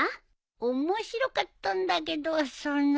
面白かったんだけどその。